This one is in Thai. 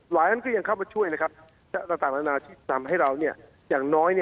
นั้นก็ยังเข้ามาช่วยนะครับต่างนานาที่ทำให้เราอย่างน้อย